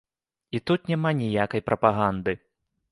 І тут няма ніякай прапаганды.